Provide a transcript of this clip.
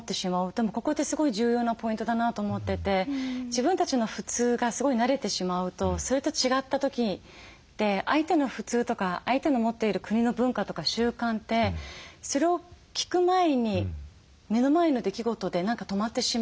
でもここってすごい重要なポイントだなと思ってて自分たちの普通がすごい慣れてしまうとそれと違った時相手の普通とか相手の持っている国の文化とか習慣ってそれを聞く前に目の前の出来事で何か止まってしまう。